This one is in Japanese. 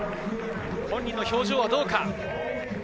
本人の表情はどうか。